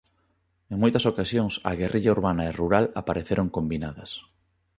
En moitas ocasións a guerrilla urbana e rural apareceron combinadas.